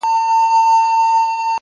لکه شبنم د ګل د غېږې لۀ حصاره وتم